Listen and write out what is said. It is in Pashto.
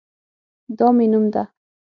دا مې نوم ده